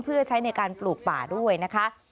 เพื่อใช้ในการปลูกป่าด้วยนะคะ